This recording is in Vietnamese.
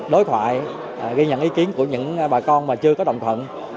đối thoại ghi nhận ý kiến của những bà con mà chưa có đồng thuận